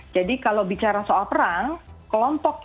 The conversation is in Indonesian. jadi kalau bicara soal perang kelompok yang diundangkan